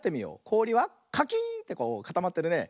こおりはカキーンってこうかたまってるね。